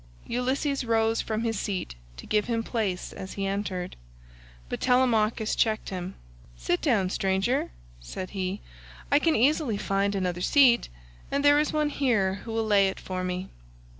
Ulysses rose from his seat to give him place as he entered, but Telemachus checked him; "Sit down, stranger," said he, "I can easily find another seat, and there is one here who will lay it for me."